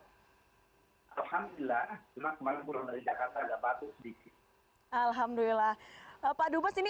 alhamdulillah cuma kemarin burung dari jakarta ada batu sedikit